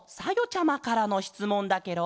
ちゃまからのしつもんだケロ。